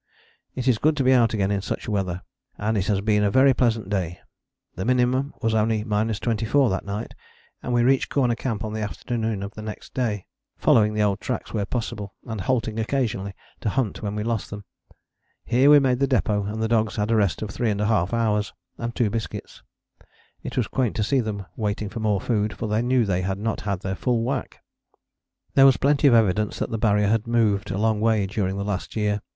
"It is good to be out again in such weather, and it has been a very pleasant day." The minimum was only 24° that night, and we reached Corner Camp on the afternoon of the next day, following the old tracks where possible, and halting occasionally to hunt when we lost them. "Here we made the depôt and the dogs had a rest of 3½ hours, and two biscuits. It was quaint to see them waiting for more food, for they knew they had not had their full whack." There was plenty of evidence that the Barrier had moved a long way during the last year.